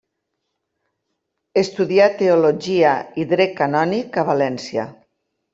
Estudià Teologia i Dret Canònic a València.